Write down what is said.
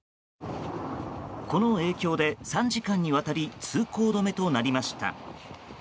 この影響で３時間にわたり通行止めとなりました。